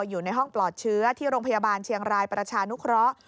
อยู่ในห้องปลอดเชื้อที่โรงพยาบาลเชียงรายประชานุเคราะห์